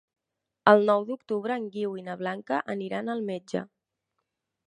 El nou d'octubre en Guiu i na Blanca aniran al metge.